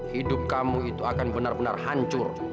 hidup kamu itu akan benar benar hancur